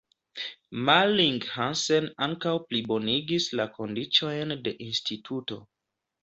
Malling-Hansen ankaŭ plibonigis la kondiĉojn de Instituto.